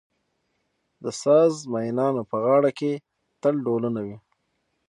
د ساز مېنانو په غاړه کې تل ډهلونه وي.